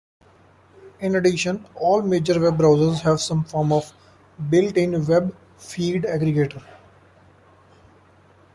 In addition, all major web browsers have some form of built-in web feed aggregator.